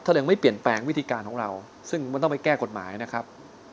เรื่องไม่เปลี่ยนแปลงวิธีการของเราซึ่งมันต้องไปแก้กฎหมายนะครับ